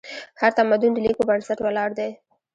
هر تمدن د لیک په بنسټ ولاړ دی.